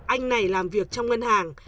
anh này làm việc trong ngân hàng